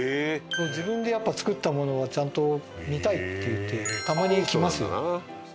自分で作ったものはちゃんと見たいって言ってたまに来ますよ。